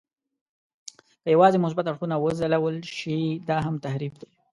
که یوازې مثبت اړخونه وځلول شي، دا هم تحریف دی.